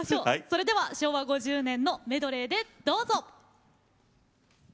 それでは昭和５０年のメドレーでどうぞ。